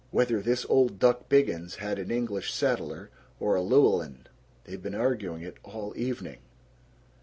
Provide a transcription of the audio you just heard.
("Whether this old duck Biggins had an English setter or a Llewellyn. They've been arguing it all evening!")